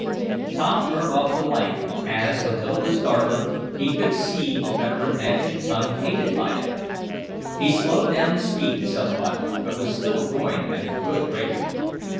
Tom turned off the light, as, until it was darker, he could see to better advantage unaided by it. He slowed down the speed somewhat, but was still going at a good rate.